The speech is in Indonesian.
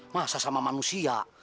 mah saya sama manusia